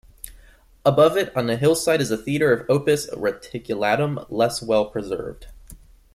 Above it on the hillside is a theatre of "opus reticulatum", less well preserved.